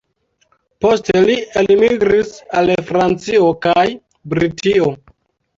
Poste li elmigris al Francio kaj Britio.